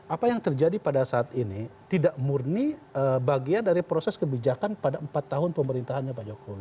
apa yang terjadi pada saat ini tidak murni bagian dari proses kebijakan pada empat tahun pemerintahannya pak jokowi